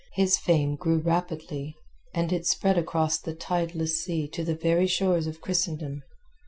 His fame grew rapidly, and it spread across the tideless sea to the very shores of Christendom.